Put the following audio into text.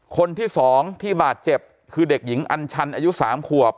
คนที่๒ที่บาดเจ็บคือเด็กหญิงอัญชันอายุ๓ขวบ